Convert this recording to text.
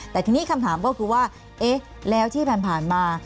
แต่ทีนี้คำถามก็คือว่าเอ๊ะแล้วที่ผ่านมา